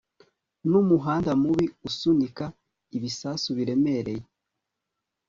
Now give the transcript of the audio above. Numuhanda mubi usunika ibisasu biremereye